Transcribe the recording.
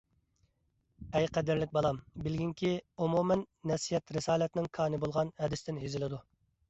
ئەي قەدىرلىك بالام، بىلگىنكى، ئومۇمەن نەسىھەت رىسالەتنىڭ كانى بولغان ھەدىستىن يېزىلىدۇ.